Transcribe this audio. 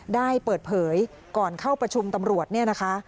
ได้เปิดเผยก่อนเข้าประชุมตำรวจเนี่ยนะคะ